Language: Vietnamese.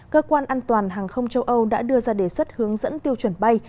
cơ quan an toàn hàng không châu âu đã đưa ra đề xuất hướng dẫn tiêu chuẩn bay